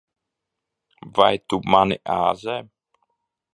Vai tu mani āzē?